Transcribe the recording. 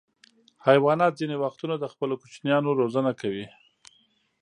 حیوانات ځینې وختونه د خپلو کوچنیانو روزنه کوي.